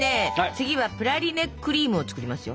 次はプラリネクリームを作りますよ。